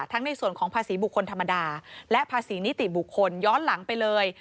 ในส่วนของภาษีบุคคลธรรมดาและภาษีนิติบุคคลย้อนหลังไปเลย